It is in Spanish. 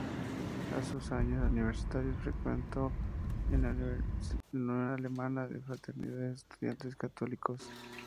En sus años universitarios frecuentó la "Unión Alemana de Fraternidades de Estudiantes Católicos".